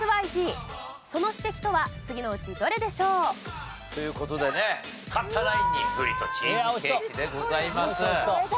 その指摘とは次のうちどれでしょう？という事でね勝ったナインにぶりとチーズケーキでございます。